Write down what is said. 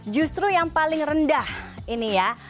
justru yang paling rendah ini ya